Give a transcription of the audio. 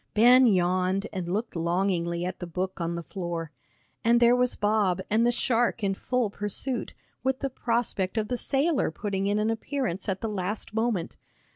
Ben yawned and looked longingly at the book on the floor. And there was Bob, and the shark in full pursuit, with the prospect of the sailor putting in an appearance at the last moment.